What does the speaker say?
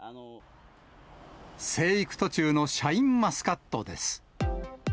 生育途中のシャインマスカットです。